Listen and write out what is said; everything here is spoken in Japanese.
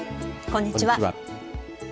こんにちは。